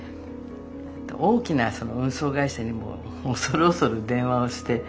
大きな運送会社にも恐る恐る電話をして。